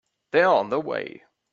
They're on their way.